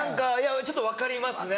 ちょっと分かりますね